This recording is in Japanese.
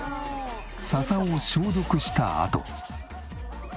笹を消毒したあと。